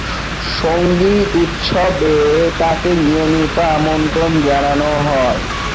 সঙ্গীত উৎসবে তাকে নিয়মিত আমন্ত্রণ জানানো হয়।